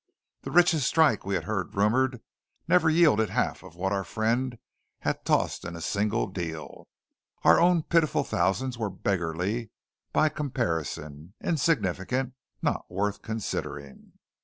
The richest strike we had heard rumoured never yielded the half of what our friend had tossed into a single deal. Our own pitiful thousands were beggarly by comparison, insignificant, not worth considering.